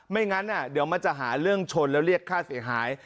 ไม่งั้นเดี๋ยวมันจะหาเรื่องชนแล้วเรียกค่าเสียหาย